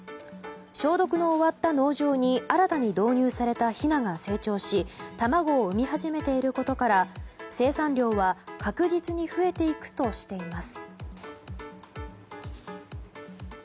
消毒の終わった農場に新たに導入されたひなが成長し卵を産み始めていることから生産量は確実に増えていくとしています。